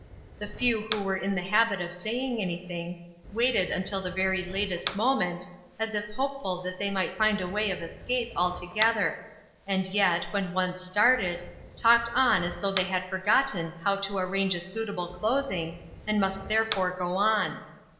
The few who were in the habit of saying anything, waited until the very latest moment, as if hopeful that they might find a way of escape altogether, and yet, when once started, talked on as though they had forgotten how to arrange a suitable closing, and must therefore go on.